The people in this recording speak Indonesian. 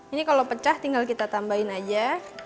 ini kalau pecah tinggal kita tambahin aja